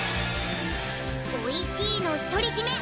おいしいの独り占め